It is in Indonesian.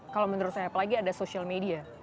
kalau menurut saya apalagi ada social media